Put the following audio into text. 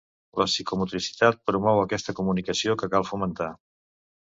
La psicomotricitat promou aquesta comunicació que cal fomentar.